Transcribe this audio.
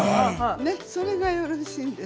それがよろしいんです。